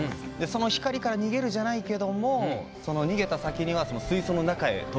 その光から逃げるじゃないけどもその逃げた先にはその水槽の中へ飛び込んできた。